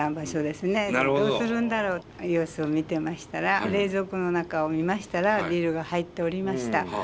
どうするんだろう様子を見てましたら冷蔵庫の中を見ましたらビールが入っておりました。